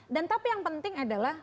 dan tapi yang penting adalah